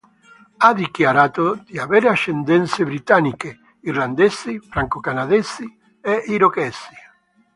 Ha dichiarato di avere ascendenze britanniche, irlandesi, franco-canadesi e irochesi.